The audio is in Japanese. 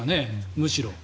むしろ。